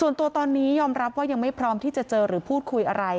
มันยอมรับว่ายังไม่พร้อมที่จะเจอหรือพูดคุยอะไร